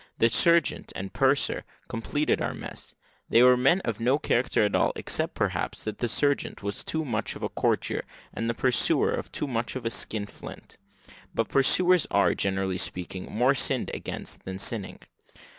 The surgeon and purser completed our mess; they were men of no character at all, except, perhaps, that the surgeon was too much of a courtier, and the purser too much of a skin flint; but pursers are, generally speaking, more sinned against than sinning.